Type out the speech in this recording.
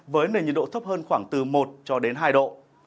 với nền nhiệt độ thấp hơn khoảng từ một cho đến hai độ